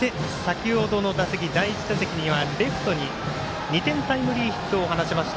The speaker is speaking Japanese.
第１打席にはレフトに２点タイムリーヒットを放ちました。